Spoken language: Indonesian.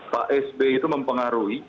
pak sby itu mempengaruhi